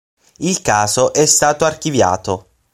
Il caso è stato archiviato.